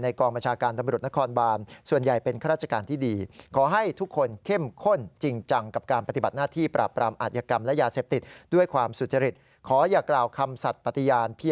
ในกองประชาการตำรวจนครบานส่วนใหญ่เป็นข้าราชการที่ดี